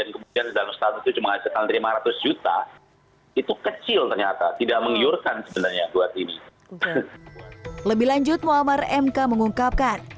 lebih lanjut muammar mk mengungkapkan